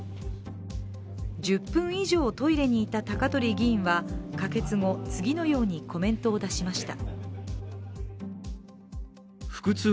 １０分以上トイレにいた高鳥議員は可決後、次のようにコメントを出しました。